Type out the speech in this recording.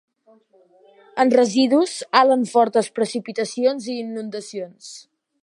En residus, alt en fortes precipitacions i inundacions.